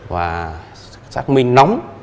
và xác minh nóng